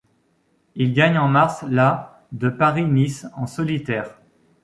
Il gagne en mars la de Paris-Nice en solitaire.